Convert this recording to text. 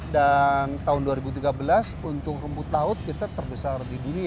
dan tahun dua ribu tiga belas untuk rebut laut kita terbesar di dunia